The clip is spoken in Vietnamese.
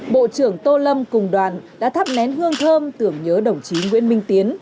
bộ trưởng tô lâm cùng đoàn đã thắp nén hương thơm tưởng nhớ đồng chí nguyễn minh tiến